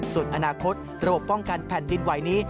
ส่วนอนาคตระบบป้องกันแผ่นดินไหวนี้